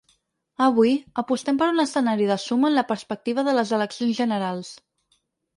Avui, apostem per un escenari de suma en la perspectiva de les eleccions generals.